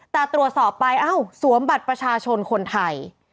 แต่ตรวจสอบไปเอ้าสวมบัตรประชาชนคนไทย